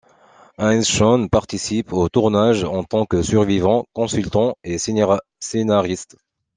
Heinz Schön participe au tournage en tant que survivant, consultant et scénariste.